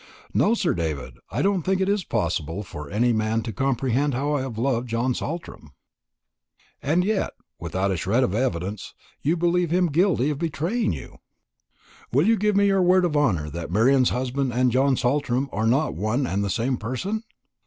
No, Sir David, I don't think it is possible for any man to comprehend how I have loved John Saltram." "And yet, without a shred of evidence, you believe him guilty of betraying you." "Will you give me your word of honour that Marian's husband and John Saltram are not one and the same person?"